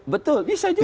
betul bisa juga